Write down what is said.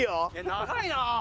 長いなあ。